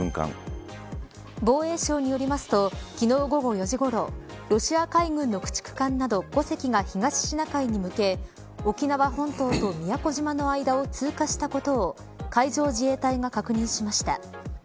防衛省によりますと昨日午後４時ごろロシア海軍の駆逐艦など５隻が東シナ海に向け沖縄本島と宮古島の間を通過したことを海上自衛隊が確認しました。